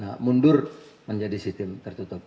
bisa mundur menjadi sistem tertutup